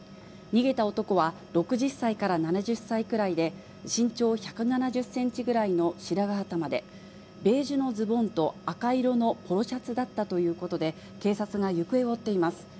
逃げた男は、６０さいから７０歳くらいで、身長１７０センチぐらいの白髪頭で、ベージュのズボンと赤色のポロシャツだったということで、警察が行方を追っています。